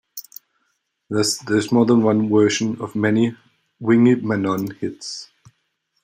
Thus there is more than one version of many Wingy Manone hits.